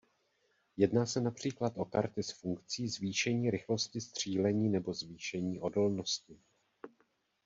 Jedná se například o karty s funkcí zvýšení rychlosti střílení nebo zvýšení odolnosti.